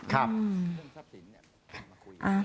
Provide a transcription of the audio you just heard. ครับ